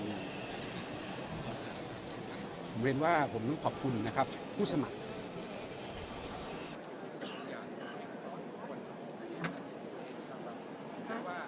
ผมเรียนว่าผมต้องขอบคุณนะครับผู้สมัคร